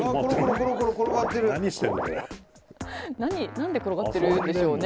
何で転がってるんでしょうね。